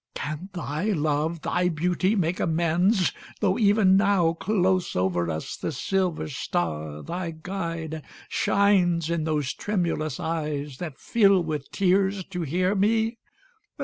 Can thy love, Thy beauty, make amends, tho' even now, Close over us, the silver star, thy guide, Shines in those tremulous eyes that fill with tears To hear me?